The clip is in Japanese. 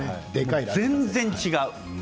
全然違う。